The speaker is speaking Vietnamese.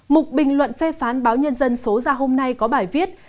một bình luận phê phán báo nhân dân số ra hôm nay có bài viết